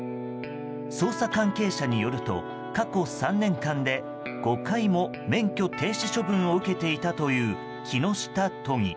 捜査関係者によると過去３年間で５回も免許停止処分を受けていたという木下都議。